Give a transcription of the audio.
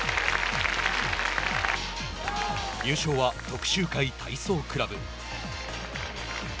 優勝は徳洲会体操クラブ。